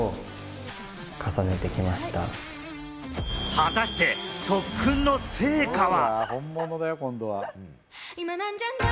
果たして特訓の成果は。